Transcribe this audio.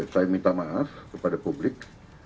saya minta maaf kepada publik